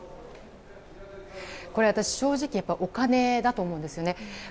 私、正直お金だと思うんですよね。